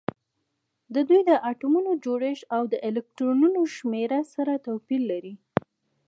د دوی د اتومونو جوړښت او د الکترونونو شمیر سره توپیر لري